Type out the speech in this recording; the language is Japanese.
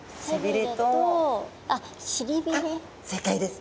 正解です。